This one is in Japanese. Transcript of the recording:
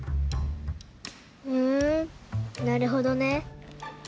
うんなるほどね。